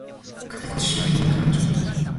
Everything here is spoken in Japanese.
繰越商品勘定